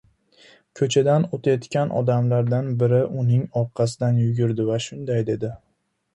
Ko‘chadan o‘tayotgan odamlardan biri uning orqasidan yugurdi va shunday dedi: